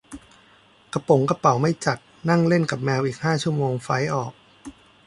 กระป๋งกระเป๋าไม่จัด นั่งเล่นกับแมวอีกห้าชั่วโมงไฟลท์ออก